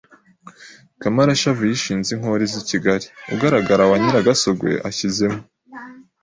Kamarashavu yishinze inkori z’i Kigali I ugagara wa Nyiragasogwe ashyizemo